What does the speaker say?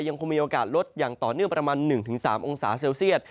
ยังคงมีโอกาสลดอย่างต่อเนื่องประมาณ๑๓องศาเซลเซียต